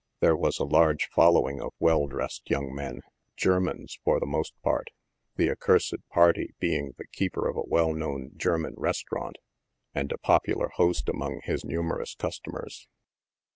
There was a large following of well dressed young men — Germans, for the most part — the accused party being the keeper of a well known German restaurant, and a popular host among his numerous cus tomers.